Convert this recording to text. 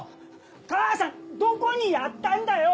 母さんどこにやったんだよ！